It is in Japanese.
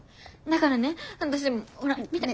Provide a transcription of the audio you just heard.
だからね私ほら見て。